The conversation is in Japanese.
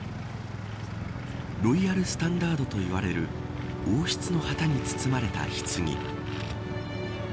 ロイヤル・スタンダードといわれる王室の旗に包まれたひつぎ。